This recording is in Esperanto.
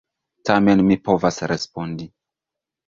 Tamen mi povas respondi!